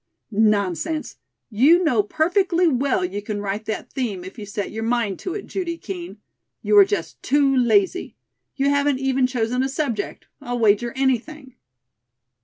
"Nonsense! You know perfectly well you can write that theme if you set your mind to it, Judy Kean. You are just too lazy. You haven't even chosen a subject, I'll wager anything."